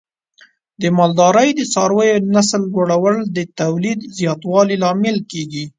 د مالدارۍ د څارویو نسل لوړول د تولید زیاتوالي لامل کېږي.